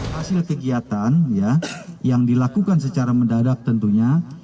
hasil kegiatan yang dilakukan secara mendadak tentunya